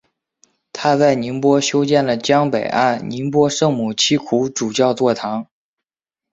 他在宁波修建了江北岸宁波圣母七苦主教座堂。